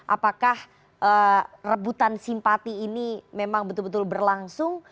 apakah rebutan simpati ini memang betul betul berlangsung